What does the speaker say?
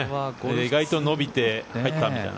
意外と伸びて入ったみたいな。